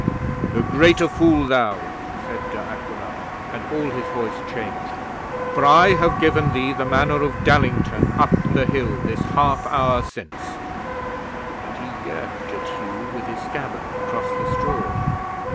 '"The greater fool thou," said De Aquila, and all his voice changed; "for I have given thee the Manor of Dallington up the hill this half hour since," and he yerked at Hugh with his scabbard across the straw.